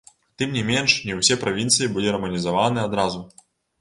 Тым не менш не ўсе правінцыі былі раманізаваны адразу.